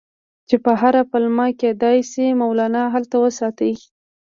چې په هره پلمه کېدلای شي مولنا هلته وساتي.